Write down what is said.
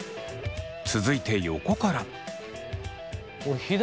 続いて横から。